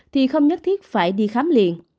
thì không nhất thiết phải đi khám liền